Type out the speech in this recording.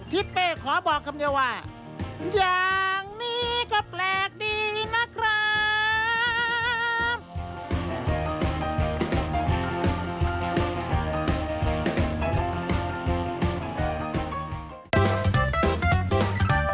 ทิศเป้ขอบอกคำเดียวว่าอย่างนี้ก็แปลกดีนะครับ